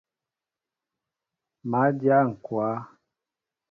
Má dyá ŋkwă.